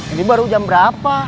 ini baru jam berapa